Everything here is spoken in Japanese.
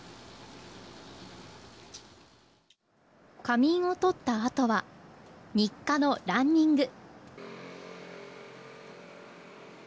仮眠を取ったあとは日課のランニング。